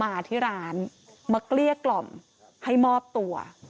มาที่ร้านมาเกลี้ยกล่อมให้มอบตัว